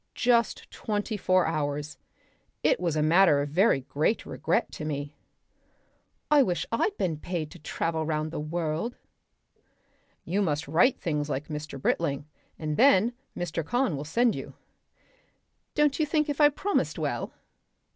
Just twenty four hours. It was a matter of very great regret to me." "I wish I'd been paid to travel round the world." "You must write things like Mr. Britling and then Mr. Kahn will send you." "Don't you think if I promised well?"